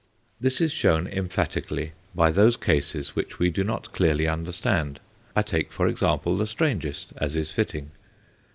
This is shown emphatically by those cases which we do not clearly understand; I take for example the strangest, as is fitting.